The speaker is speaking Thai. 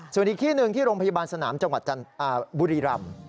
ส่วนอีกที่หนึ่งที่โรงพยาบาลสนามจังหวัดบุรีรำ